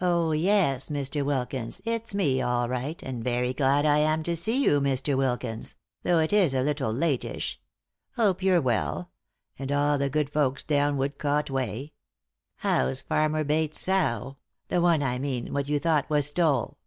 "Oh yes, Mr. Wilkins, it's me all right, and very glad I am to see you, Mr. Wilkins ; though it is a little latish. Hope you're well ; and all the good folks down Woodcote way. How's Farmer Bates' sow ? The one, I mean, what you thought was stole."